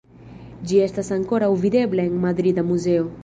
Ĝi estas ankoraŭ videbla en madrida muzeo.